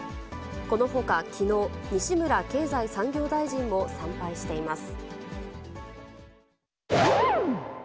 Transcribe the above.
このほかきのう、西村経済産業大臣も参拝しています。